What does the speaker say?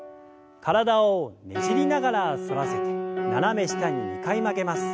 体をねじりながら反らせて斜め下に２回曲げます。